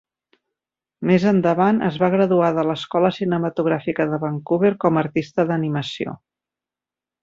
Més endavant, es va graduar de l'escola cinematogràfica de Vancouver com a artista d'animació.